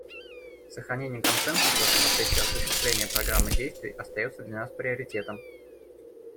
Сохранение консенсуса в процессе осуществления Программы действий остается для нас приоритетом.